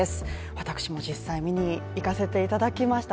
私も実際見に行かせていただきました。